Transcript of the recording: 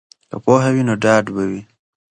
که پوهه وي نو ډاډ وي.